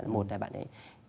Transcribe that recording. một là bạn ấy